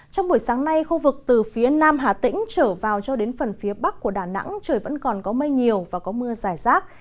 trong buổi sáng nay khu vực từ phía nam hà tĩnh trở vào cho đến phần phía bắc của đà nẵng trời vẫn còn có mây nhiều và có mưa dài rác